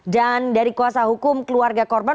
dan dari kuasa hukum keluarga korban